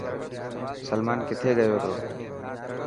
سلمان ڪٿي گيو تو.